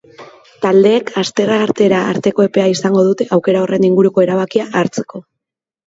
Taldeek asteartera arteko epea izango dute aukera horren inguruko erabakia hartzeko.